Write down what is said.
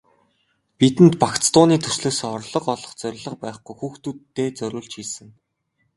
Бидэнд багц дууны төслөөсөө орлого олох зорилго байхгүй, хүүхдүүддээ зориулж хийсэн.